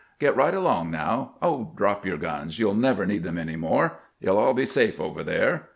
" Get right along, now. Oh, drop your guns ; you '11 never need them any more. You '11 aU be safe over there.